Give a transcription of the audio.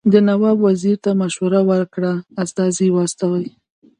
ده نواب وزیر ته مشوره ورکړه استازي واستوي.